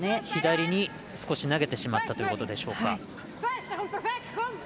左に少し投げてしまったということでしょうか。